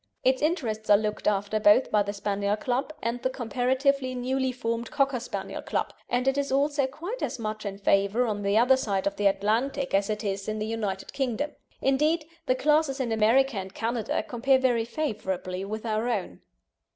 Its interests are looked after both by the Spaniel Club and the comparatively newly formed Cocker Spaniel Club, and it is also quite as much in favour on the other side of the Atlantic as it is in the United Kingdom. Indeed, the classes in America and Canada compare very favourably with our own.